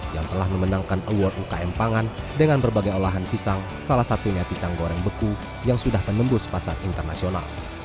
yang telah memenangkan award ukm pangan dengan berbagai olahan pisang salah satunya pisang goreng beku yang sudah menembus pasar internasional